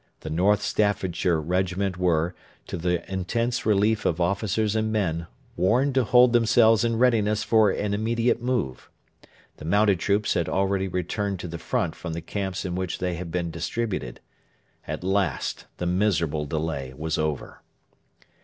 The North Staffordshire Regiment were, to the intense relief of officers and men, warned to hold themselves in readiness for an immediate move. The mounted troops had already returned to the front from the camps in which they had been distributed. At last the miserable delay was over.